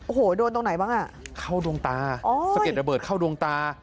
โอ้โหโดนตรงไหนบ้างอ่ะเข้าดวงตาสะเด็ดระเบิดเข้าดวงตา